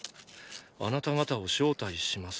あなた方を招待します。